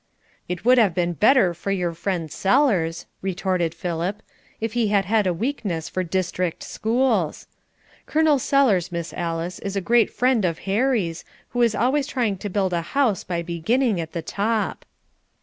"It would have been better for your friend Sellers," retorted Philip, "if he had had a weakness for district schools. Col. Sellers, Miss Alice, is a great friend of Harry's, who is always trying to build a house by beginning at the top."